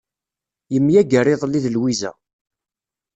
Yemyager iḍelli d Lwiza.